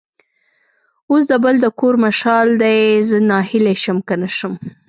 اوس د بل د کور مشال دی؛ زه ناهیلی شم که نه شم.